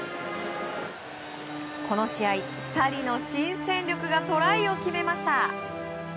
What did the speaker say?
この試合、２人の新戦力がトライを決めました。